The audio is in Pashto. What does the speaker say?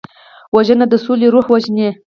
وژنه د سولې روح وژني